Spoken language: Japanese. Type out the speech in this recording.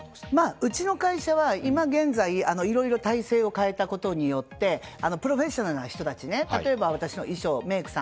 うちの会社は、今現在いろいろと体制を変えたことによってプロフェッショナルな人たち例えば私の衣装、メイクさん